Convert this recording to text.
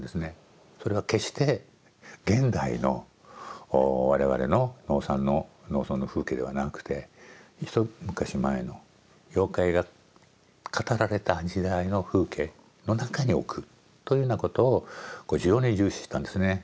それは決して現代の我々の農村の風景ではなくて一昔前の妖怪が語られた時代の風景の中に置くというようなことを非常に重視したんですね。